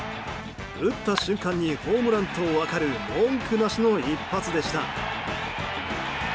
打った瞬間にホームランと分かる文句なしの一発でした。